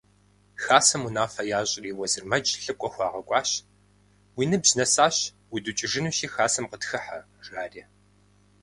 Хасэм унафэ ящӏри, Уэзырмэдж лӏыкӏуэ хуагъэкӏуащ: – Уи ныбжь нэсащ, удукӏыжынущи, хасэм къытхыхьэ, – жари.